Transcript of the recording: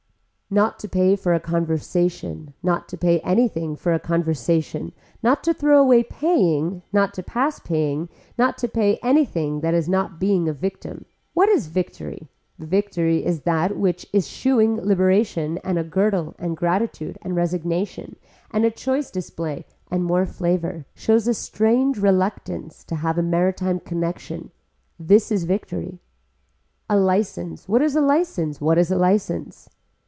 Not to pay for a conversation, not to pay anything for any conversation, not to throw away paying, not to pass paying, not to pay anything this is not being a victim. What is victory, victory is that which eschewing liberation and a girdle and gratitude and resignation and a choice display and more flavor shows a strange reluctance to have a maritime connection. This is victory. A license, what is a license, what is a license.